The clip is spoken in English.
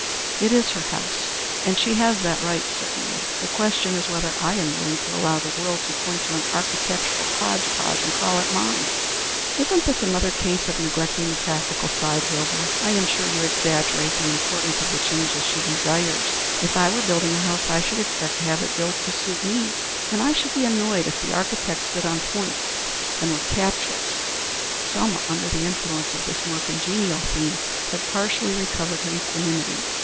"It is her house, and she has that right, certainly. The question is whether I am willing to allow the world to point to an architectural hotch potch and call it mine." "Isn't this another case of neglecting the practical side, Wilbur? I am sure you exaggerate the importance of the changes she desires. If I were building a house, I should expect to have it built to suit me, and I should be annoyed if the architect stood on points and were captious." Selma under the influence of this more congenial theme had partially recovered her equanimity.